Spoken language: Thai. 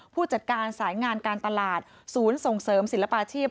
ผู้จัดการสายงานการตลาดศูนย์ส่งเสริมศิลปาชีพ